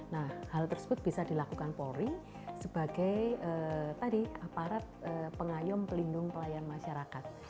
nah hal tersebut bisa dilakukan polri sebagai aparat pengayom pelindung pelayan masyarakat